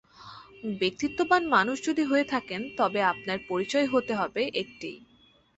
ব্যক্তিত্ববান মানুষ যদি হয়ে থাকেন, তবে আপনার পরিচয় হতে হবে একটিই।